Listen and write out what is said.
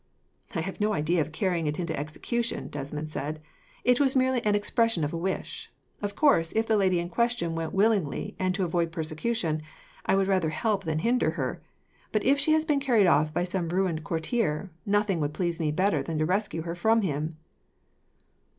"I have no idea of carrying it into execution," Desmond said. "It was merely an expression of a wish. Of course, if the lady in question went willingly and to avoid persecution, I would rather help than hinder her; but if she has been carried off by some ruined courtier, nothing would please me better than to rescue her from him."